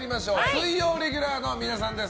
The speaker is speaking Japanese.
水曜レギュラーの皆さんです。